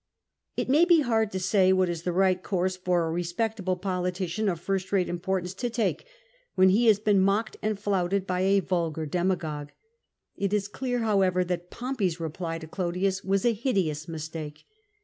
It may be hard to say what is the right course for a respectable politician of first rate importance to Take, when he has been mocked and flouted by a vulgar demagogue. It is clear, however, that Pompey 's reply to Olodiiis was a hideous mistake.